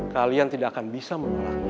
kalian tidak akan bisa menolaknya